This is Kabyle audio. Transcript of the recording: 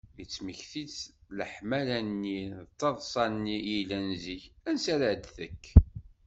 yettmekti-d leḥmala-nni d teḍsa-nni i yellan zik ansi ara d-tekk?